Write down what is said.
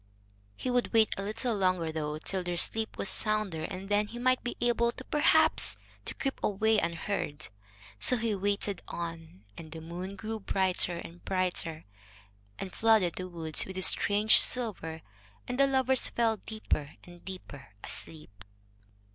He would wait a little longer, though, till their sleep was sounder, and then he might be able perhaps to creep away unheard. So he waited on, and the moon grew brighter and brighter, and flooded the woods with its strange silver. And the lovers fell deeper and deeper asleep.